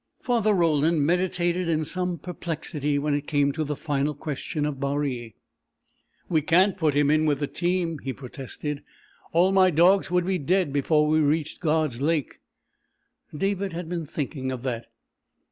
Father Roland meditated in some perplexity when it came to the final question of Baree. "We can't put him in with the team," he protested. "All my dogs would be dead before we reached God's Lake." David had been thinking of that.